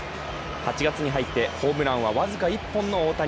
８月に入ってホームランは僅か１本の大谷。